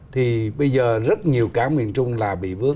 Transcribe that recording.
thì bây giờ rất nhiều cảng miền trung là bị vớt